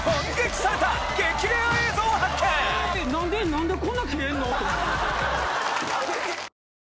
なんでこんなキレんのと思って。